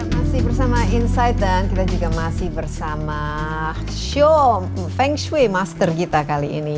masih bersama insight dan kita juga masih bersama show feng shui master kita kali ini